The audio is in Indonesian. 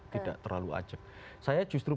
tidak terlalu ajek saya justru